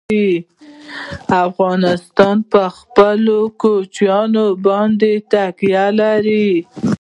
افغانستان په خپلو کوچیانو باندې تکیه لري.